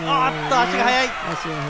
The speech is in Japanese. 足が速い！